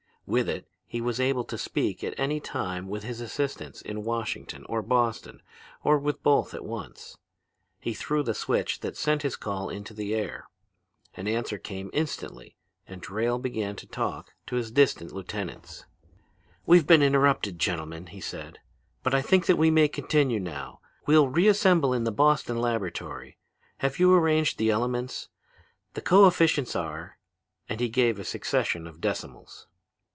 With it he was able to speak at any time with his assistants in Washington or Boston or with both at once. He threw the switch that sent his call into the air. An answer came instantly, and Drayle begin to talk to his distant lieutenants. "'We've been interrupted, gentlemen,' he said, 'but I think we may continue now. We'll reassemble in the Boston laboratory. Have you arranged the elements? The coefficients are....' And he gave a succession of decimals.